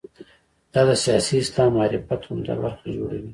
دا د سیاسي اسلام معرفت عمده برخه جوړوي.